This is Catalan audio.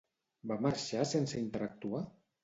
Va marxar sense interactuar?